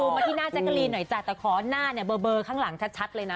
มาที่หน้าแจ๊กกะลีนหน่อยจ้ะแต่ขอหน้าเนี่ยเบอร์ข้างหลังชัดเลยนะ